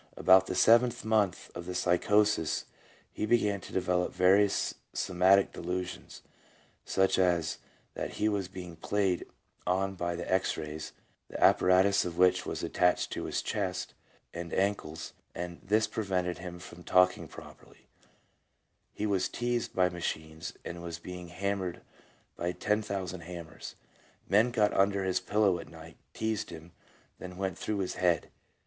About the seventh month of the psychosis he began to develop various somatic delusions, such as, that he was being played on by the X rays, the apparatus of which was attached to his chest and ankles, and this prevented him from talking properly ; he was teased by machines, and was being hammered by 10,000 hammers. Men got under his pillow at night, teased him, then went through his head.